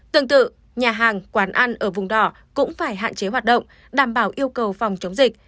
tương tự nhà hàng quán ăn ở vùng đỏ cũng phải hạn chế hoạt động đảm bảo yêu cầu phòng chống dịch